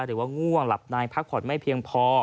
หรือว่าง่วงหลับนายพักผ่อนไม่เพียงพอ